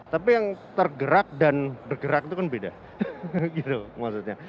tapi yang tergerak dan bergerak itu kan beda gitu maksudnya